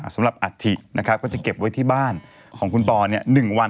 สำหรับอัฐินะครับก็จะเก็บไว้ที่บ้านของคุณปอร์เนี่ย๑วัน